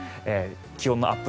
気温のアップ